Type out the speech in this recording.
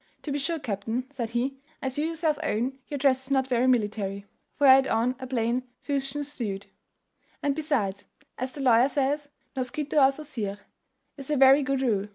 "To be sure, captain," said he, "as you yourself own, your dress is not very military" (for he had on a plain fustian suit); "and besides, as the lawyer says, noscitur a sosir, is a very good rule.